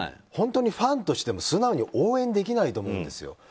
本当にファンとしても素直に応援できないと思うんですよ。